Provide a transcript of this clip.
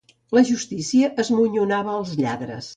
La justícia esmonyonava els lladres.